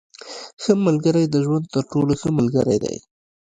• ښه ملګری د ژوند تر ټولو ښه ملګری دی.